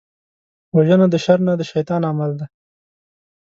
وژنه د شر نه، د شيطان عمل دی